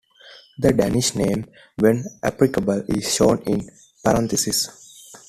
The Danish name, when applicable, is shown in parentheses.